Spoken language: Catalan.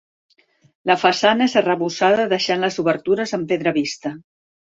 La façana és arrebossada deixant les obertures amb pedra vista.